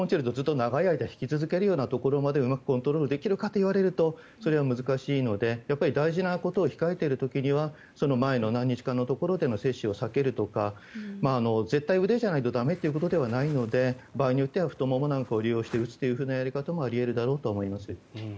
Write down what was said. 長い間、弾くところまでうまくコントロールできるかというとそれは難しいので大事なことを控えている時にはその前の何日かでの接種を避けるとか絶対腕じゃないと駄目ということではないので場合によっては太ももを利用して打つこともあり得ると思います。